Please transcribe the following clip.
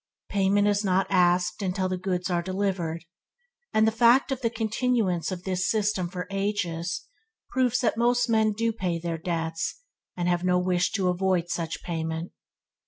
Payment is not asked until the goods are delivered; and the fact of the continuance of this system for ages, proves that most men do pay their debts, and have no wish to avoid such payment.